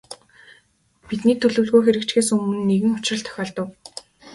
Бидний төлөвлөгөө хэрэгжихээс өмнө нэгэн учрал тохиолдов.